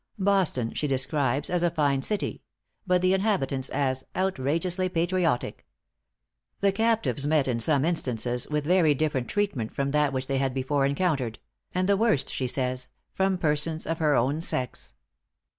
Boston she describes as a fine city; but the inhabitants as "outrageously patriotic." The captives met in some instances with very different treatment from that which they had before encountered; and the worst, she says, from persons of her own sex.